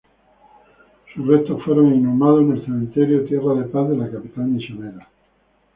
Sus restos fueron inhumados en el cementerio Tierra de Paz de la capital misionera.